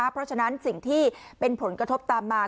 เพราะฉะนั้นสิ่งที่เป็นผลกระทบตามมา